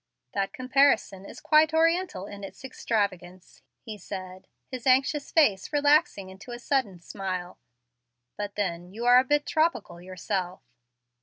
"That comparison is quite oriental in its extravagance," he said, his anxious face relaxing into a sudden smile. "But then you are a bit tropical yourself."